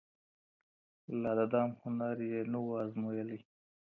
لا د دام هنر یې نه و أزمېیلی